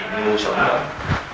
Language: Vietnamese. nó mua sổn rồi